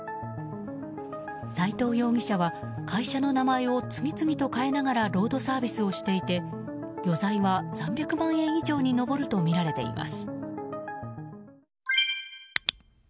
斉藤容疑者は会社の名前を次々と変えながらロードサービスをしていて余罪は３００万円以上に上るとみられています。